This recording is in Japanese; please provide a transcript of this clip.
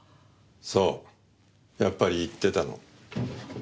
そうやっぱり行ってたの。